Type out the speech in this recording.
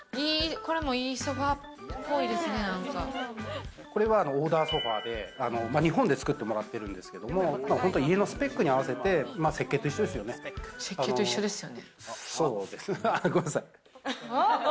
これも、いいソファっぽいでこれはオーダーソファーで、日本で作ってもらってるんですけど、本当は家のスペックに合わせて、設計と一緒ですね。